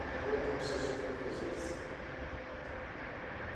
Europa przeżywa kryzys